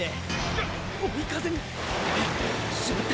な追い風に！？しまった！